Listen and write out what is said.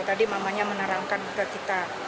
tadi mamanya menerangkan ke kita